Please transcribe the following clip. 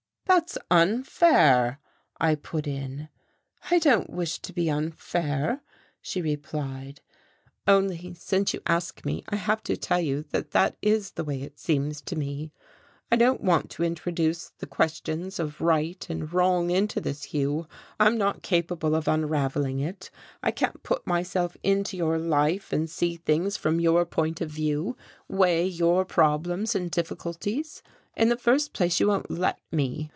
"That's unfair," I put in. "I don't wish to be unfair," she replied. "Only, since you ask me, I have to tell you that that is the way it seems to me. I don't want to introduce the question of right and wrong into this, Hugh, I'm not capable of unravelling it; I can't put myself into your life, and see things from your point of view, weigh your problems and difficulties. In the first place, you won't let me.